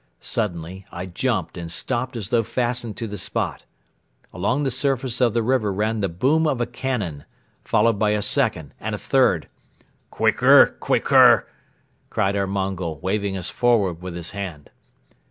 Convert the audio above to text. Suddenly I jumped and stopped as though fastened to the spot. Along the surface of the river ran the boom of a cannon, followed by a second and a third. "Quicker, quicker!" cried our Mongol, waving us forward with his hand.